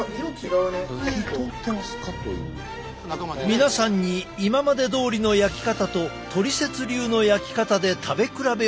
皆さんに今までどおりの焼き方とトリセツ流の焼き方で食べ比べをしていただこう。